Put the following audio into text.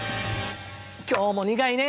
今日も苦いね！